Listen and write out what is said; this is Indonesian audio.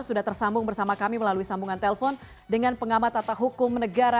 sudah tersambung bersama kami melalui sambungan telpon dengan pengamat tata hukum negara